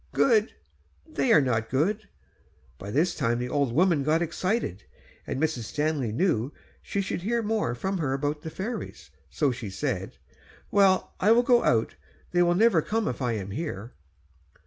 "Good? they are not good." By this time the old woman got excited, and Mrs. Stanley knew she should hear more from her about the fairies, so she said, "Well, I will go out; they never will come if I am here."